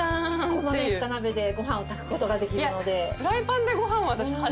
こういった鍋でご飯を炊く事ができるので。